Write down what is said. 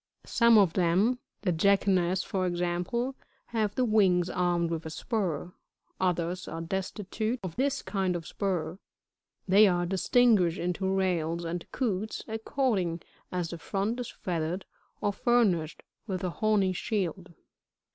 67. Some of them, (the Jacanas, for example,) have the wings armed with a spur ; others are destitute of this kind of spur ; they are distinguished into Rails and Coots, according as the front is feathered, or furnished with a horny shield.